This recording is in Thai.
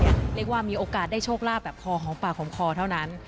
เรียกว่ามีโอกาสได้โชคลาภแบบคอหอมปากหอมคอเท่านั้น